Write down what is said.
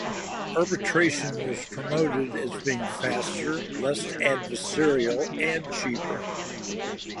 Arbitration was promoted as being faster, less adversarial, and cheaper.